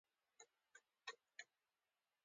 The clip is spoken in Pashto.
دویمه دا چې د کعبې پر سر هېڅکله نه الوزي.